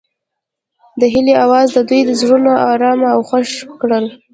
د هیلې اواز د دوی زړونه ارامه او خوښ کړل.